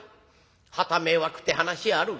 『はた迷惑』って話あるが。